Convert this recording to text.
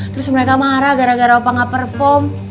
terus mereka marah gara gara opa gak perform